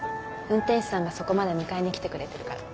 運転手さんがそこまで迎えに来てくれてるから。